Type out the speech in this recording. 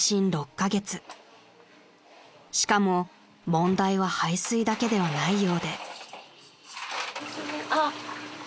［しかも問題は排水だけではないようで］